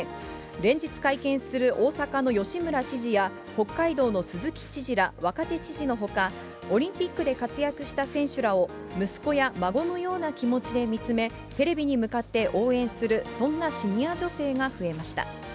連日会見する大阪の吉村知事や、北海道の鈴木知事ら、若手知事のほか、オリンピックで活躍した選手らを、息子や孫のような気持ちで見つめ、テレビに向かって応援する、そんなシニア女性が増えました。